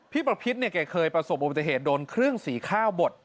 ประพิษเนี่ยแกเคยประสบอุบัติเหตุโดนเครื่องสีข้าวบด